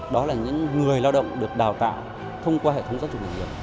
đó là những người lao động được đào tạo thông qua hệ thống giáo dục nghề nghiệp